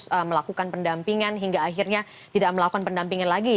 terus melakukan pendampingan hingga akhirnya tidak melakukan pendampingan lagi